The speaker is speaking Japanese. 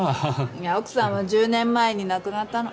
いや奥さんは１０年前に亡くなったの。